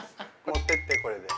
持ってってこれで。